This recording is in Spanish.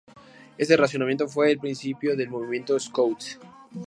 Este razonamiento fue el principio del movimiento Scout.